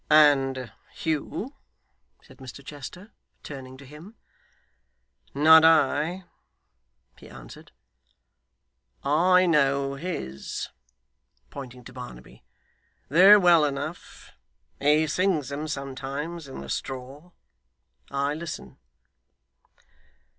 'And Hugh?' said Mr Chester, turning to him. 'Not I,' he answered. 'I know his' pointing to Barnaby 'they're well enough. He sings 'em sometimes in the straw. I listen.